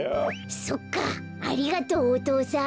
そっかありがとうお父さん。